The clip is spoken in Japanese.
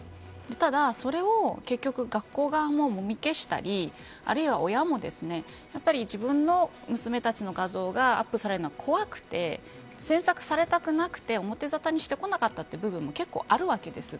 ただそれを結局学校側ももみ消したりあるいは親も自分の娘たちの画像がアップされるのが怖くて詮索されたくなくて表ざたにしてこなかったという部分もあるわけです。